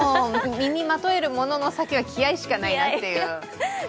身にまとえるものの先は気合いしかないなという。